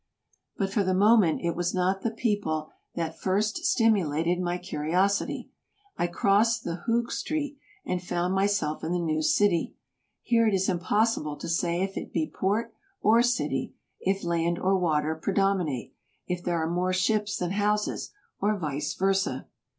But for the moment it was not the people that first stim ulated my curiosity. I crossed the Hoog Street, and found 202 TRAVELERS AND EXPLORERS myself in the new city. Here it is impossible to say if it be port or city, if land or water predominate, if there are more ships than houses, or vice versa.